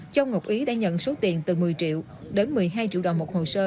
châu ngọc ý đã nhận số tiền từ một mươi triệu đến một mươi hai triệu đồng một hồ sơ